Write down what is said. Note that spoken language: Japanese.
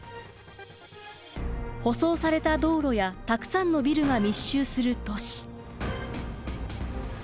舗装された道路やたくさんのビルが密集する都市。